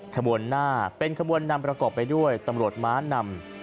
ขบวนหน้าเป็นขบวนนำประกอบไปด้วยตำรวจม้านำ